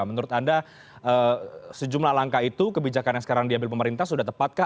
menurut anda sejumlah langkah itu kebijakan yang sekarang diambil pemerintah sudah tepatkah